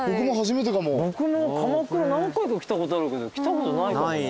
僕も鎌倉何回か来たことあるけど来たことないかもな。